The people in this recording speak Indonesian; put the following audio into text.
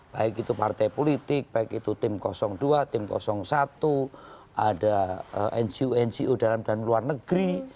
baik itu partai politik baik itu tim dua tim satu ada ngo ngo dalam dan luar negeri